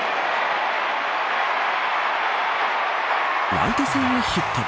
ライト線へヒット。